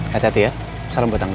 hati hati ya salam buat tangga